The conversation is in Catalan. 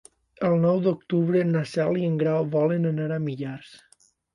El nou d'octubre na Cel i en Grau volen anar a Millars.